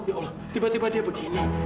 ya allah tiba tiba dia begini